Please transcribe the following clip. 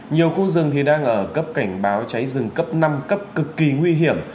nhiều khu rừng đang ở cấp cảnh báo cháy rừng cấp năm cấp cực kỳ nguy hiểm